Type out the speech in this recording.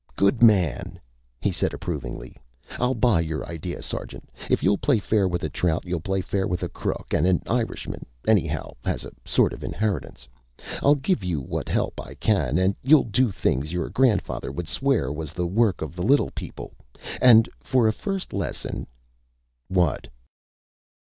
"Good man!" he said approvingly. "I'll buy your idea, sergeant. If you'll play fair with a trout, you'll play fair with a crook, and an Irishman, anyhow, has a sort of inheritance I'll give you what help I can, and you'll do things your grandfather would swear was the work of the Little People. And for a first lesson " "What?"